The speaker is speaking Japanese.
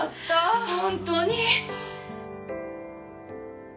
本当に。